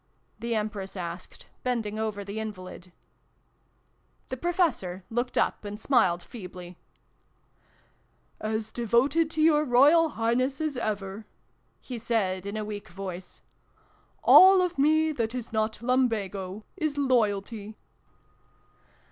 " the Empress asked, bending over the invalid. The Professor looked up, and smiled feebly. "As devoted to your Imperial Highness as 394 SYLVIE AND BRUNO CONCLUDED ever!" he said in a weak voice. "All of me, that is not Lumbago, is Loyalty